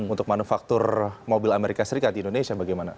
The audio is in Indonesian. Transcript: untuk manufaktur mobil amerika serikat di indonesia bagaimana